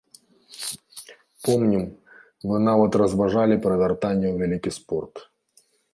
Помнім, вы нават разважалі пра вяртанне ў вялікі спорт.